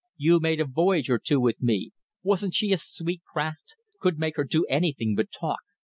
You made a voyage or two with me. Wasn't she a sweet craft? Could make her do anything but talk.